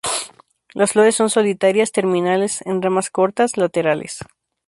Las flores son solitarias, terminales en ramas cortas, laterales.